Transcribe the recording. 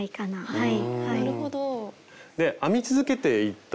はい。